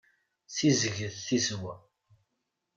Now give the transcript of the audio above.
Ssizedget tizewwa.